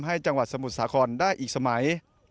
จังหวัดสมุทรสาครได้อีกสมัย